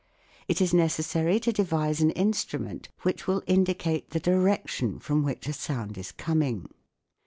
It is necessary to devise an instrument which will indicate the direction from which a sound is coming.